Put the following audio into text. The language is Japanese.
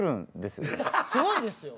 すごいですよ。